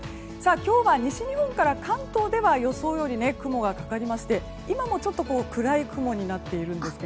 今日は西日本から関東では予想より雲がかかりまして今も、ちょっと暗い雲になっているんです。